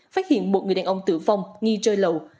phát hiện một người đàn ông tử vong nghi rơi lầu